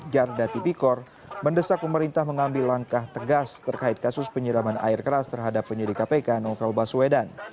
jarda tipikor mendesak pemerintah mengambil langkah tegas terkait kasus penyiraman air keras terhadap penyidik kpk novel baswedan